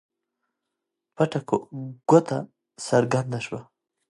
پټه ګوته څرګنده شوه.